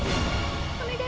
お願い。